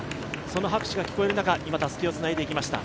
その拍手が聞こえる中、今、たすきをつないでいきました。